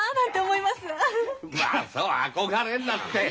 まあそう憧れんなって。